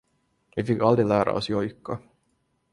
Vi fick aldrig lära oss jojka.